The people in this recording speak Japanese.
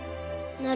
なる。